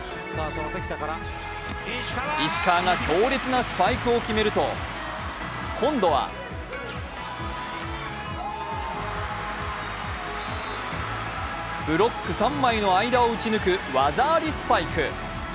石川が強烈なスパイクを決めると今度は、ブロック三枚の間を打ち抜く技ありスパイク。